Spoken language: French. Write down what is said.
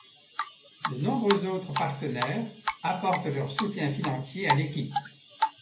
De nombreux autres partenaires apportent leur soutien financier à l'équipe.